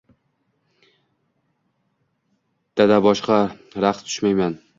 Dadaboshqa raqs tushmayman